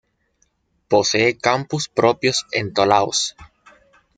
Posee campus propios en Toulouse.